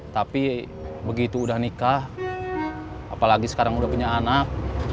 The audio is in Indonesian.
tapi begitu udah nikah apalagi sekarang udah punya anak